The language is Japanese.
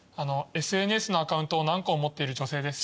ＳＮＳのアカウントを何個も持っている女性です。